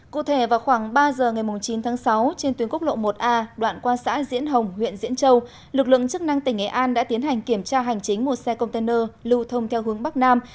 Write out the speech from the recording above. cụ thể vào khoảng ba giờ ngày chín tháng sáu trên tuyến quốc lộ một a đoạn qua xã diễn hồng huyện diễn châu lực lượng chức năng tỉnh nghệ an đã tiến hành kiểm tra hành chính một xe container lưu thông theo hướng bắc nam